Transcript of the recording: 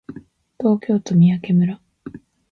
東京都三宅村